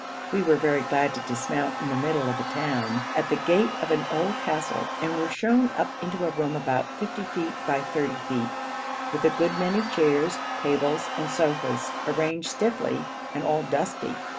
We were very glad to dismount in the middle of the town, at the gate of an old castle, and were shown up into a room about 50 feet by 30 feet, with a good many chairs, tables, and sofas, arranged stiffly, and all dusty.